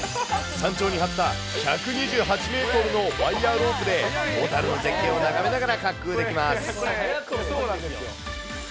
山頂に張った１２８メートルのワイヤーロープで小樽の絶景を眺めながら滑空できます。